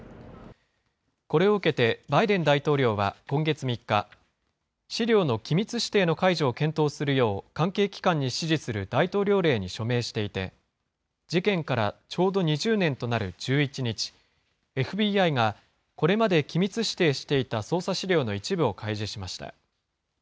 これを受けて、バイデン大統領は今月３日、資料の機密指定の解除を検討するよう関係機関に指示する大統領令に署名していて、事件からちょうど２０年となる１１日、ＦＢＩがこれまで機密指定していた捜査資料の一部を開示しました。